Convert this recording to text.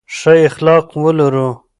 ښه اخلاق ولرو.